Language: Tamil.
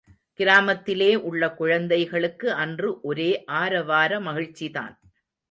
கிராமத்திலே உள்ள குழந்தைகளுக்கு அன்று ஒரே ஆரவார மகிழ்ச்சிதான்.